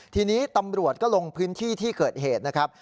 ทีนี้ตำรวจก็ลงพื้นที่ที่เกิดเหตุนะครับ